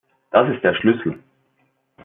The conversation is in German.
Das ist der Schlüssel!